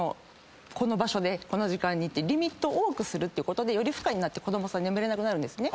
この場所でこの時間にってリミットを多くするってことでより負荷になって子供さん眠れなくなるんですね。